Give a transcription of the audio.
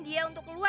bisa tidak merosot